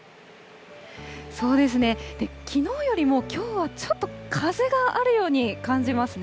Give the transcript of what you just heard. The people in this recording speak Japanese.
そうですね、きのうよりもきょうはちょっと風があるように感じますね。